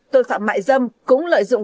tội phạm mại dâm cũng lợi dụng